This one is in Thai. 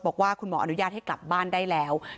บอกว่าคุณหมออนุญาตให้กลับบ้านได้แล้ว